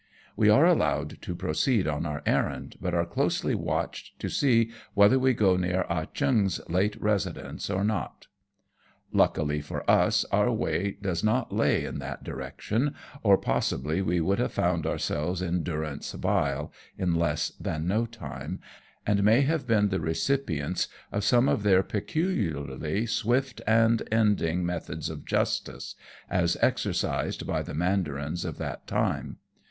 "We are allowed to proceed on our errand, but are closely watched to see whether we go near Ah Cheong's late residence or not. Luckily for us, our way does not lay in that direction, or possibly we would have found ourselves in durance vile in less than no time, and may have been the recipients of some of their peculiarly swift and ending methods of justice, as exercised by the mandarins of that time.